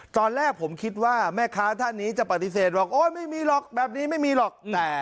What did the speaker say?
ตอนแรกผมคิดว่าแม่ค้าท่านนี้จะปฏิเสธบอกโอ๊ยไม่มีหรอกแบบนี้ไม่มีหรอก